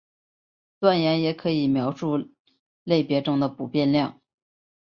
断言也可以描述类别中的不变量。